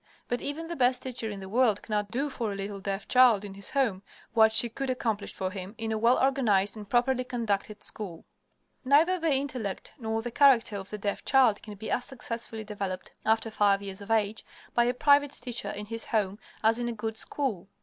But even the best teacher in the world cannot do for a little deaf child in his home what she could accomplish for him in a well organized and properly conducted school. Neither the intellect nor the character of the deaf child can be as successfully developed, after five years of age, by a private teacher in his home as in a good school.